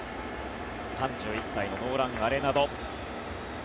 ３１歳のノーラン・アレナド。